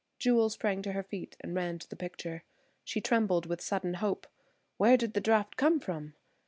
Jewel sprang to her feet and ran to the picture. She trembled with sudden hope. Where did the draught come from?